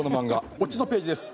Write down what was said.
オチのページです。